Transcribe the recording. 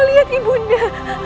lihat ibu bunda